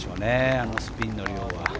あのスピンの量は。